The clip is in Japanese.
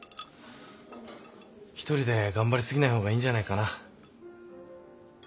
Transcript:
一人で頑張り過ぎない方がいいんじゃないかな。